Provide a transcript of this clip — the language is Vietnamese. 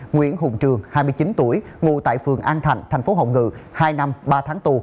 nguyễn hùng trường hai mươi chín tuổi ngụ tại phường an thạnh thành phố hồng ngự hai năm ba tháng tù